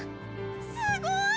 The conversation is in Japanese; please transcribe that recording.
すごい！